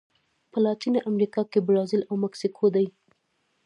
په لاتینه امریکا کې برازیل او مکسیکو دي.